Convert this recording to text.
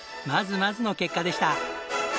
まずまずの結果でした。